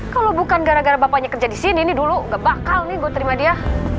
kalau bukan gara gara bapaknya kerja disini nih dulu ga bakal nih gue terima dia